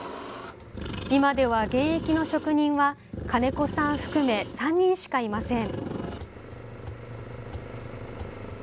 今では、現役の職人は金子さん含め３人しかいません。